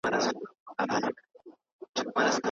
ټولو په ګډه د هېواد لپاره کار وکړ.